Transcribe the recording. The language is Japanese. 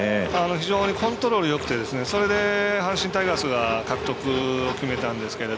非常にコントロールよくてそれで阪神タイガースは獲得を決めたんですけど。